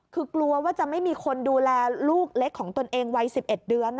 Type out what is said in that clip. คือกลัวว่าจะไม่มีคนดูแลลูกเล็กของตนเองวัย๑๑เดือน